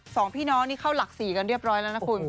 สองพี่น้องนี่เข้าหลักสี่กันเรียบร้อยแล้วนะคุณ